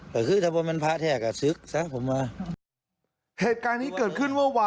แต่คือถ้าบอกเป็นพระเทศกัดซึกซะผมมาเหตุการณ์ที่เกิดขึ้นว่าวันนี้